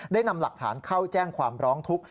ได้นำหลักฐานเข้าแจ้งความร้องทุกข์